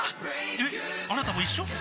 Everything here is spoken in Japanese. えっあなたも一緒？